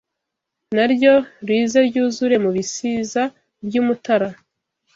Naryo rize ryuzure Mu bisiza by'Umutara